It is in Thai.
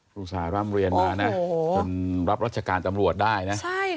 ภูมิสาร่ำเรียนมาจนรับรัชกาลตำรวจได้นะ